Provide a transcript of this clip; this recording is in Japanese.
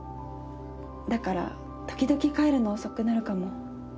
だから時々帰るの遅くなるかも。